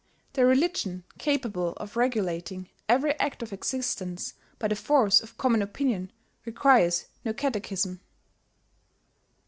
The religion capable of regulating every act of existence by the force of common opinion requires no catechism.